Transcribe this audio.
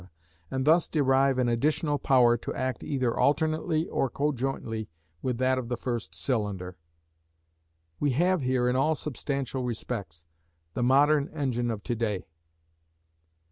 and thus derive an additional power to act either alternately or co jointly with that of the first cylinder. We have here, in all substantial respects, the modern engine of to day.